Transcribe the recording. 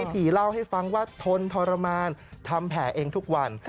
ผีเล่าให้ฟังว่าทนทรมานทำแผลเองทุกวัน